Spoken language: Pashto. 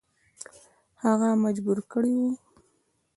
هغه مجبور کړی وو.